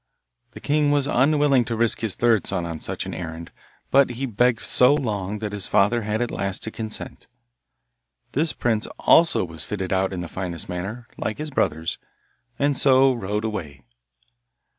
The king was unwilling to risk his third son on such an errand, but he begged so long that his father had at last to consent. This prince also was fitted out in the finest manner, like his brothers, and so rode away.